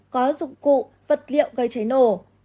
có dụng cụ vật liệu gây cháy nổ